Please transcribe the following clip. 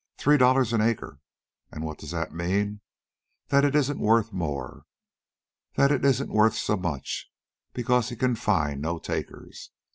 Three dollars an acre! And what does that mean? That it isn't worth more. That it isn't worth so much; because he can find no takers.